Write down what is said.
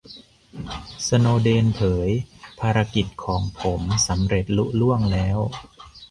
'สโนว์เดน' เผย "ภารกิจของผมสำเร็จลุล่วงแล้ว"